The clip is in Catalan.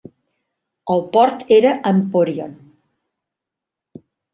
El port era a Empòrion.